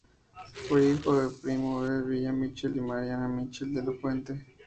Fue hijo de Primo F. Villa Michel y de Mariana Michel de la Fuente.